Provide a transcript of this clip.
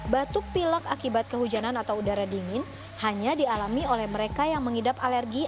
batuk pilek akibat kehujanan atau udara dingin hanya dialami oleh mereka yang mengidap alergi